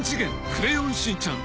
クレヨンしんちゃん』